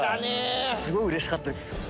すごいうれしかったです。